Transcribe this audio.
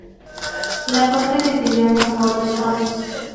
La Corte decidió en favor de De Forest.